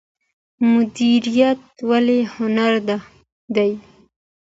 میریت ولې هنر دی؟